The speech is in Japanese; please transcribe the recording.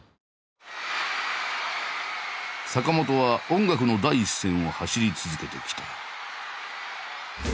坂本は音楽の第一線を走り続けてきた。